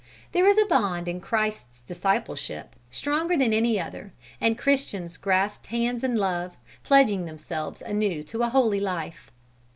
There is a bond in Christ's discipleship, stronger than any other, and Christians grasped hands in love, pledging themselves anew to a holy life.